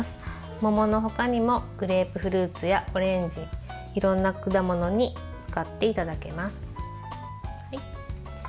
桃の他にもグレープフルーツやオレンジいろんな果物に使っていただけます。